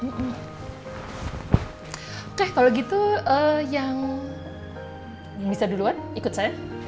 oke kalau gitu yang bisa duluan ikut saya